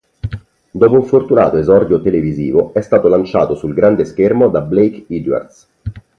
Dopo un fortunato esordio televisivo, è stato lanciato sul grande schermo da Blake Edwards.